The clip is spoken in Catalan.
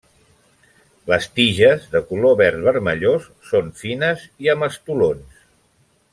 Les tiges, de color verd vermellós, són fines i amb estolons.